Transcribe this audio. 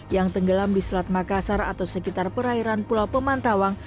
yang tenggelam di selat makassar atau sekitar perairan pulau pemantawang